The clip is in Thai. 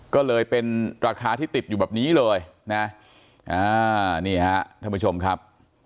ก็เลยเป็นราคาที่ติดอยู่แบบนี้เลยนะนี่ฮะท่านผู้ชมครับ